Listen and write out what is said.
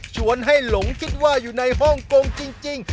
ชวนให้หลงคิดว่าอยู่ในฮ่องกงจริง